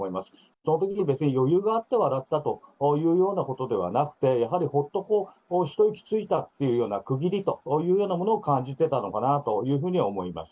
そのときに、別に余裕があって笑ったというようなことではなくて、やはりほっと一息ついたという区切りというようなものを感じてたのかなというふうには思います。